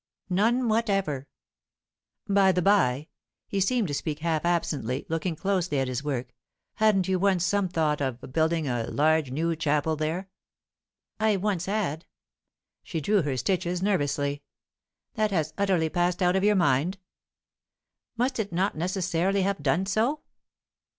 "None whatever." "By the bye" he seemed to speak half absently, looking closely at his work "hadn't you once some thought of building a large new chapel there?" "I once had." She drew her stitches nervously. "That has utterly passed out of your mind?" "Must it not necessarily have done so?"